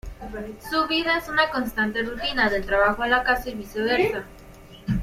Su vida es una constante rutina: del trabajo a la casa y viceversa.